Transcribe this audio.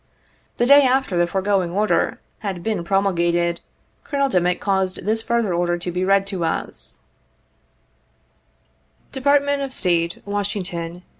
The day after the foregoing order had been pro mulgated, Colonel Dimick caused this further order to be read to us : 61 "Department of State, Washington, JSov.